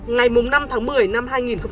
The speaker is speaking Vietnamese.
ngày năm tháng một mươi năm hai nghìn một mươi chín